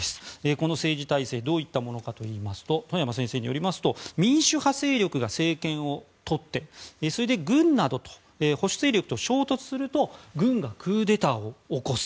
この政治体制どういったものかといいますと外山先生によりますと民主派勢力が政権をとってそれで軍などと保守勢力と衝突すると軍がクーデターを起こす。